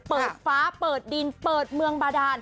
เปิดฟ้าเปิดดินเปิดเมืองบาดาน